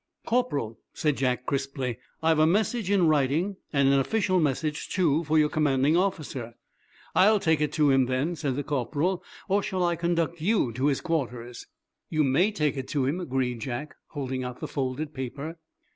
"Corporal," said Jack, crisply, "I've a message, in writing, and an official message, too, for your commanding officer." "I'll take it to him, then," said the corporal. "Or shall I conduct you to his quarters?" "You may take it to him," agreed Jack, holding out the folded paper.